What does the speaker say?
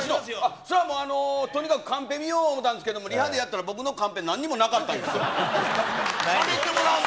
そらはもう、とにかくカンペ見よう思うたんですけど、リハでやったら、僕のカンペ、なんにもなかしゃべってもらわんと。